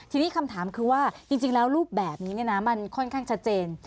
ทีนี้คำถามคือว่าจริงแล้วรูปแบบนี้มันค่อนข้างชัดเจน